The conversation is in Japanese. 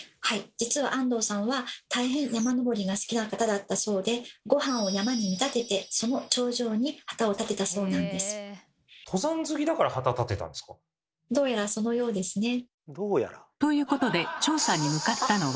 実は安藤さんは大変山登りが好きな方だったそうでごはんを山に見立ててその頂上に旗を立てたそうなんです。ということで調査に向かったのは。